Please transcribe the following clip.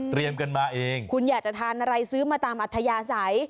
กันมาเองคุณอยากจะทานอะไรซื้อมาตามอัธยาศัย